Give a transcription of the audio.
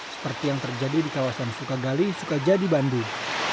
seperti yang terjadi di kawasan sukagali sukajadi bandung